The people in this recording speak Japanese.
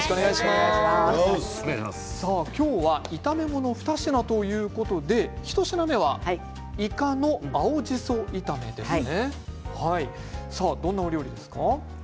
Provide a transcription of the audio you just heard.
今日は炒め物２品ということで一品目はいかの青じそ炒めですね。